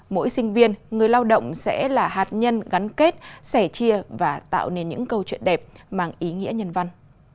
mỗi sinh viên người lao động sẽ là hạt nhân gắn kết sẻ chia và tạo nên những câu chuyện đẹp mang ý nghĩa nhân văn